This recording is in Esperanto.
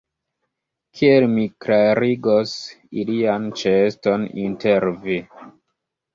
Kiel mi klarigos ilian ĉeeston inter vi?